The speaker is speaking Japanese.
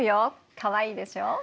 かわいいでしょ。